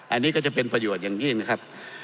อันนี้ก็จะเป็นประโยชน์อย่างนี้นะครับ